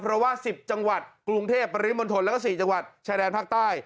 ประวาสิบจังหวัดกรุงเทพปริศมนตรแล้วก็สี่จังหวัดชายแดนภาคใต้